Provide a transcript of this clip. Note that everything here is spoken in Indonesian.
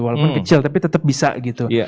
walaupun kecil tapi tetap bisa gitu